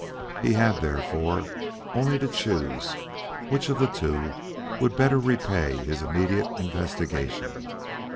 He had therefore only to choose which of the two would better repay his immediate investigation.